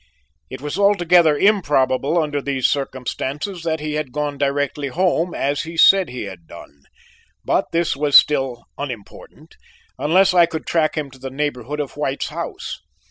It was altogether improbable under these circumstances that he had gone directly home as he said he had done, but this was still unimportant unless I could track him to the neighborhood of White's house.